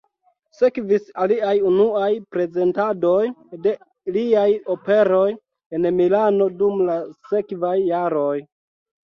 Sekvis aliaj unuaj prezentadoj de liaj operoj en Milano dum la sekvaj jaroj.